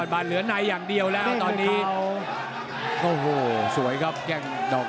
ไม่สนกับฟันซังศอก